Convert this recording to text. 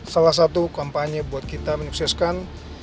salah satu kampanye buat kita menyukseskan